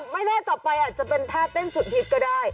ไม่แน่ต่อไปอาจจะเป็นแผ้บเต้นสุดทิศก็ได้